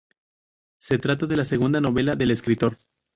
Se trata de la segunda novela del escritor.